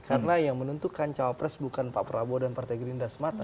karena yang menentukan cawapres bukan pak prabowo dan partai gerindra semata